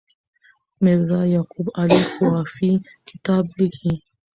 میرزا یعقوب علي خوافي کتاب لیکي.